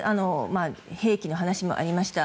兵器の話もありました。